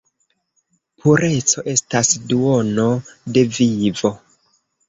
Pureco estas duono de vivo!